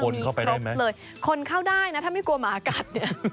ว่าพอล่ะคนเข้าไปได้ไหมคนเข้าได้นะถ้าไม่กลัวหมากัด